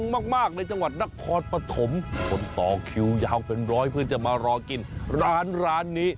มากในจังหวัดนครปฐมคนต่อคิวยาวเป็นร้อยเพื่อจะมารอกินร้านร้านนี้